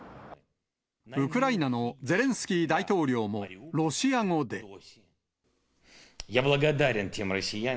ウクライナのゼレンスキー大統領も、ロシア語で。